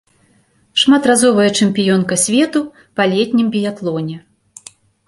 Шматразовая чэмпіёнка свету па летнім біятлоне.